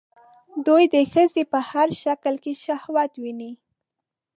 دوی د ښځې په هر شکل کې شهوت ويني